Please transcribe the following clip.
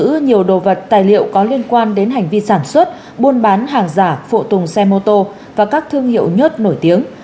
thu giữ nhiều đồ vật tài liệu có liên quan đến hành vi sản xuất buôn bán hàng giả phụ tùng xe mô tô và các thương hiệu nhớt nổi tiếng